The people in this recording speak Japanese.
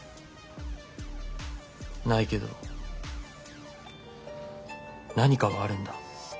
ないけど何かはあるんだ。